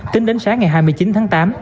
tính đến sáng ngày hai mươi chín tháng tám